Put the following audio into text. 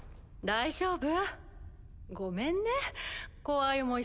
大丈夫。